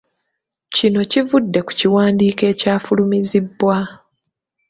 Kino kivudde ku kiwandiiko ekyafulumizibwa.